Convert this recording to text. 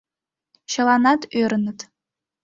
Чыланат ӧрыныт.